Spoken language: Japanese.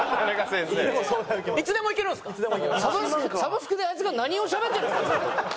サブスクであいつが何をしゃべってるんですか？